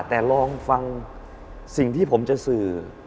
แต่ลองฟังสิ่งที่ผมจะสื่อ